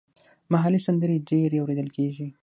محلي سندرې ډېرې اوریدل کیږي.